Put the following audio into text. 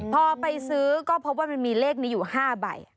พอไปซื้อก็พบว่ามันมีเลขนี้อยู่๕ใบ